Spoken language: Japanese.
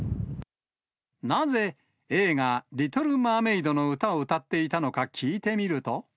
なぜ映画、リトルマーメイドの歌を歌っていたのか聞いてみると。